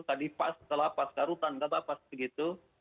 tadi pas setelah pas karutan kakak pas begitu